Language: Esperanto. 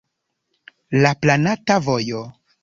La planata vojo.